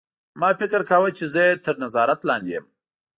ما فکر کاوه چې زه یې تر نظارت لاندې یم